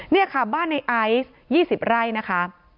นี่ค่ะบ้านในไอซ์๒๐ไร่นะคะ